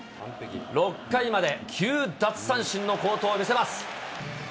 ６回まで９奪三振の好投を見せます。